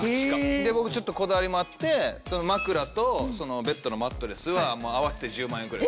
で僕ちょっとこだわりもあって枕とベッドのマットレスは合わせて１０万円ぐらい。